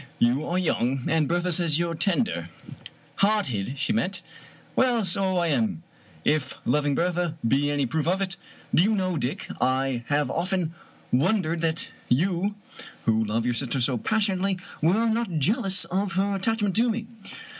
You are young, and Bertha says you're tender "Hearted, she meant. Well, so I am, if loving Bertha be any proof of it. Do you know, Dick, I have often won dered that you, who love your sister so passionately, were not jealous of her attachment to me."